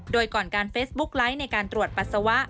โดยก่อนการเฟซบุ๊กไลค์ในการตรวจปัสสาวะ